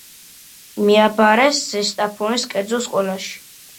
მიაბარეს ზესტაფონის კერძო სკოლაში.